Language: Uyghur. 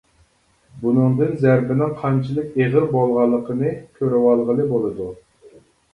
بۇنىڭدىن زەربىنىڭ قانچىلىك ئېغىر بولغانلىقىنى كۆرۈۋالغىلى بولىدۇ.